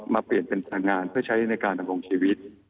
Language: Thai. มาเปลี่ยนเป็นพลังงานเพื่อใช้ในการดำรงชีวิต